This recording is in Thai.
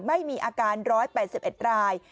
ไม่มีอาการ๑๘๑ราย